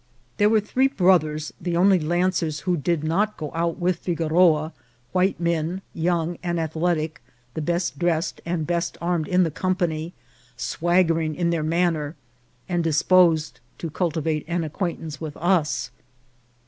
There were three brothers, the only lancers who did not go out with Figoroa, white men, young and athletic, the best dressed and best armed in the company ; swaggering in their manner, and disposed to cultivate an acquaintance with us ; they VOL.